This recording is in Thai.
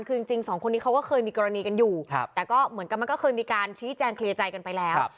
ก็เคยมีกรณีกันอยู่แต่ก็เหมือนกันมันก็เคยมีการชี้แจงเคลียร์ใจกันไปแล้ว